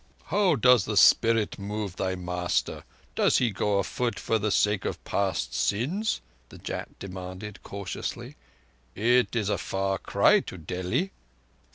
"How does the spirit move thy master? Does he go afoot, for the sake of past sins?" the Jat demanded cautiously. "It is a far cry to Delhi."